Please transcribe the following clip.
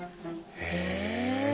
へえ。